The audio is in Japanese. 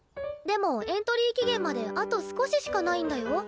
でもエントリー期限まであと少ししかないんだよ？